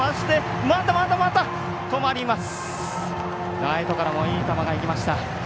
ライトからいい球がいきました。